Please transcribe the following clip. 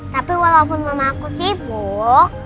tapi walaupun mama aku sibuk